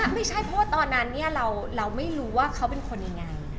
ไม่ใช่เพราะว่าตอนนั้นเราไม่รู้ว่าเขาเป็นคนยังไง